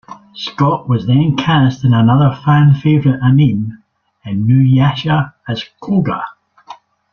Scott was then cast in another fan favorite anime, "InuYasha" as Koga.